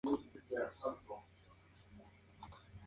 En ocasiones puede remitir espontáneamente.